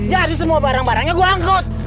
jadi semua barang barangnya gue angkut